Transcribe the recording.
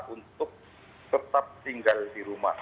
untuk tetap tinggal di rumah